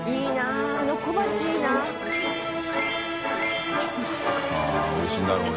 ◆舛おいしいんだろうね。